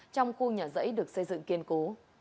trong khu nhà giấy được xây dựng kiên cố